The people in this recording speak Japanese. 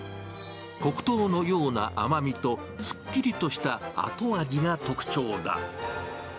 黒糖のような甘みとすっきりとした後味が特徴だ。